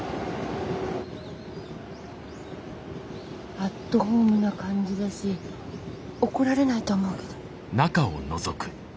アットホームな感じだし怒られないと思うけど。